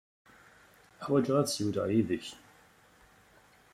Ḥwajeɣ ad ssiwleɣ yid-k.